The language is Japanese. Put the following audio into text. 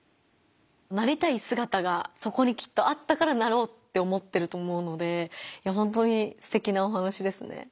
なりたいすがたがそこにきっとあったからなろうって思ってると思うのでほんとにすてきなお話ですね。